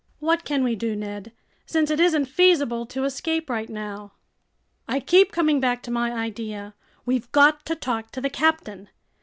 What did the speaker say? "What can we do, Ned, since it isn't feasible to escape right now?" "I keep coming back to my idea. We've got to talk to the captain.